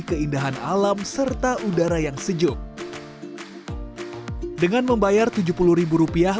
keindahan alam serta udara yang sejuk dengan membayar tujuh puluh rupiah